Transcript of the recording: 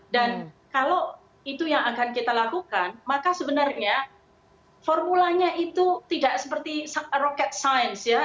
dan kalau itu yang akan kita lakukan maka sebenarnya formulanya itu tidak seperti rocket science